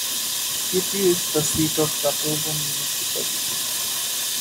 It is the seat of Kratovo Municipality.